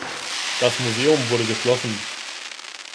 Das Museum wurde geschlossen.